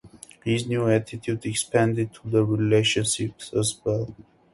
His new attitude extended to relationships as well.